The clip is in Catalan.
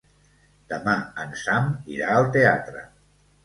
Demà en Sam irà al teatre.